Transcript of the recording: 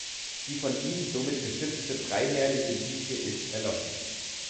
Die von ihm somit gestiftete freiherrliche Linie ist erloschen.